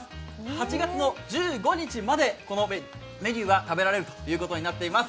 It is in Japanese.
８月１５日までこのメニューが食べられるということになっています。